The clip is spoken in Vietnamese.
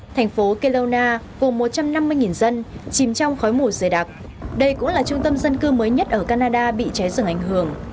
thành phố kelowna gồm một trăm năm mươi dân chìm trong khói mùi dây đặc đây cũng là trung tâm dân cư mới nhất ở canada bị trái rừng ảnh hưởng